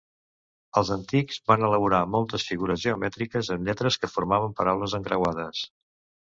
Els antics van elaborar moltes figures geomètriques amb lletres que formaven paraules encreuades.